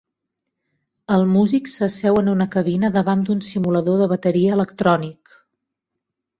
El músic s'asseu en una cabina davant d'un simulador de bateria electrònic.